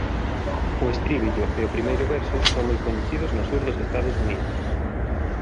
O estríbello e o primeiro verso son moi coñecidos no sur dos Estados Unidos.